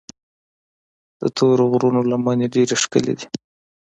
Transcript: د تورو غرونو لمنې ډېرې ښکلي دي.